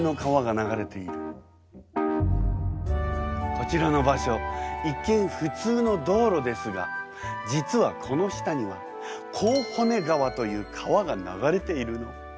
こちらの場所一見普通の道路ですが実はこの下には河骨川という川が流れているの。